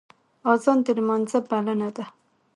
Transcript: اذان د لمانځه بلنه ده